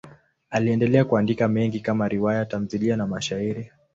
Aliendelea kuandika mengi kama riwaya, tamthiliya na mashairi.